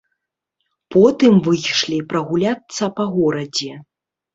Потым выйшлі прагуляцца па горадзе.